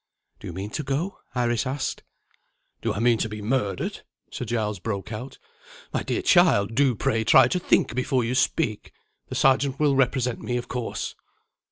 "_ "Do you mean to go?" Iris asked. "Do I mean to be murdered!" Sir Giles broke out. "My dear child, do pray try to think before you speak. The Sergeant will represent me, of course."